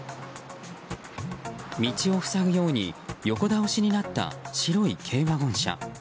道を塞ぐように横倒しになった白い軽ワゴン車。